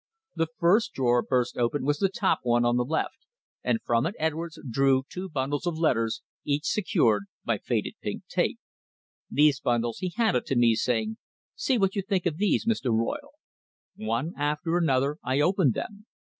The first drawer burst open was the top one on the left, and from it Edwards drew two bundles of letters, each secured by faded pink tape. These bundles he handed to me, saying "See what you think of these, Mr. Royle!" One after another I opened them.